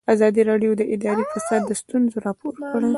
ازادي راډیو د اداري فساد ستونزې راپور کړي.